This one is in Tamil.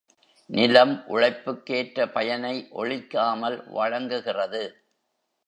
நிலம் உழைப்புக்கேற்ற பயனை ஒளிக்காமல் வழங்குகிறது.